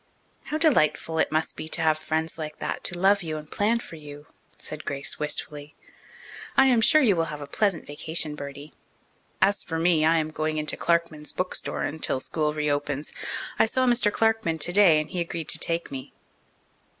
"How delightful it must be to have friends like that to love you and plan for you," said Grace wistfully. "I am sure you will have a pleasant vacation, Bertie. As for me, I am going into Clarkman's bookstore until school reopens. I saw Mr. Clarkman today and he agreed to take me."